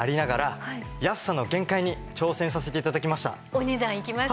お値段いきますよ？